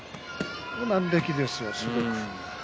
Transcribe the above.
元気ですよ、すごく。